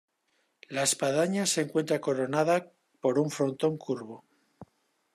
La espadaña se encuentra coronada por un frontón curvo.